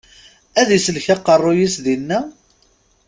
Ad isellek aqeṛṛu-yis dinna?